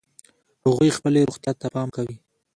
هغوی خپلې روغتیا ته پام کوي